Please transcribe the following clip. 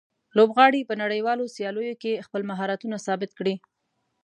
لوبغاړي په نړیوالو سیالیو کې خپل مهارتونه ثابت کړي.